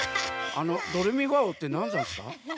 あのドレミファおうってなんざんすか？